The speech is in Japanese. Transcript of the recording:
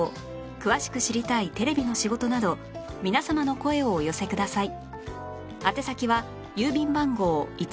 詳しく知りたいテレビの仕事など皆様の声をお寄せください